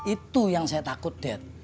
itu yang saya takut dead